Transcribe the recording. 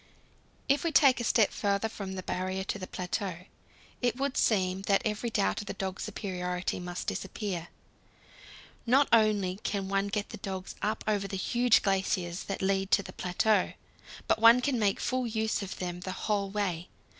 If we take a step farther, from the Barrier to the plateau, it would seem that every doubt of the dog's superiority must disappear. Not only can one get the dogs up over the huge glaciers that lead to the plateau, but one can make full use of them the whole way.